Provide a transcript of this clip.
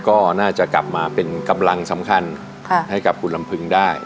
ก็น่าจะกลับมาเป็นกำลังสำคัญให้กับคุณลำพึงได้